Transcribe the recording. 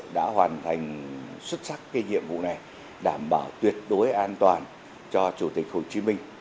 đã hoàn thành xuất sắc cái nhiệm vụ này đảm bảo tuyệt đối an toàn cho chủ tịch hồ chí minh